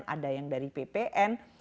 ada yang dari ppn